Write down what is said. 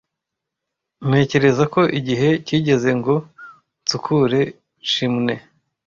Ntekereza ko igihe kigeze ngo nsukure chimney.